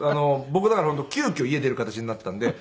僕だから本当急遽家出る形になったんで。